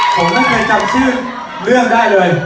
ผมไม่เคยจำชื่อเรื่องได้เลย